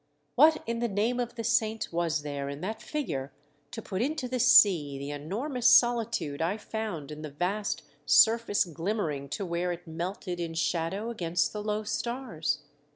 What in the name of the saints was there in that figure to put into the sea the enormous solitude I found in the vast surface glimmering to where it melted in shadow against the low stars